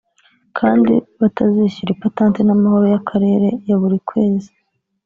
kandi batazishyura ipatanti n’amahoro y’akarere ya buri kwezi